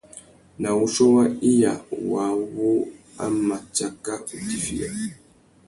Na wuchiô wa iya waā wu a mà tsaka utifiya.